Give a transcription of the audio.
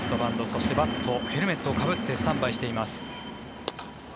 そして、バットヘルメットをかぶってスタンバイしています。